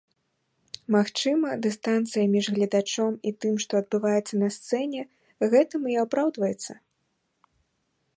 Магчыма, дыстанцыя між гледачом і тым, што адбываецца на сцэне, гэтым і апраўдваецца.